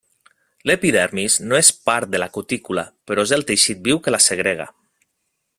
L'epidermis no és part de la cutícula, però és el teixit viu que la segrega.